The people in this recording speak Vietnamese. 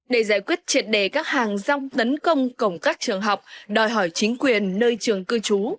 để giải quyết triệt đề các hàng rong tấn công cổng các trường học đòi hỏi chính quyền nơi trường cư trú